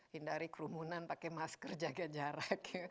hindari kerumunan pakai masker jaga jarak